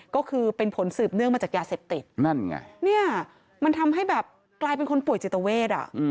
ก็คือเป็นผลสืบเนื่องมาจากยาเสพติดนั่นไงเนี่ยมันทำให้แบบกลายเป็นคนป่วยจิตเวทอ่ะ